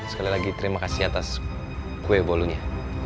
sekali lagi terima kasih atas kue bolunya